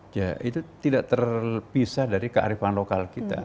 ya itu tidak terpisah dari kearifan lokal kita